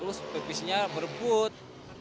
kalau naik bis banyak